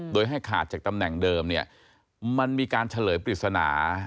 โดยให้ขาดจากตำแหน่งเดิมเนี่ยมันมีการเฉลยปริศนา